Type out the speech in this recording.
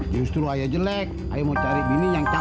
justru ayah jelek ayo mau cari bini yang cakep